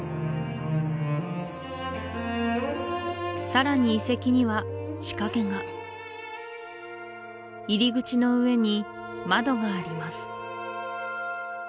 さらに遺跡には仕掛けが入り口の上に窓があります